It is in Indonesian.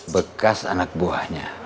bekas anak buahnya